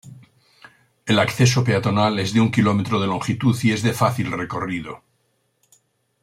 El acceso peatonal es de un km de longitud y es de fácil recorrido.